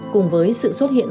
cùng với sự xuất hiện